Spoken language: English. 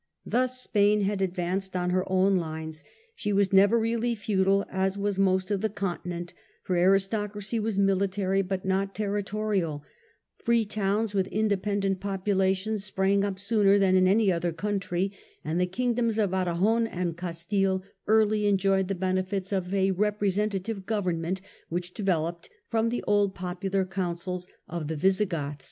Thus Spain had advanced on her own lines. She was never really feudal as was most of the Continent, her aristocracy was military but not territorial, free towns with independent populations sprang up sooner than in any other country, and the Kingdoms of Aragon and Castile early enjoyed the benefits of a representative government, which developed from the old popular Councils of the Visigoths.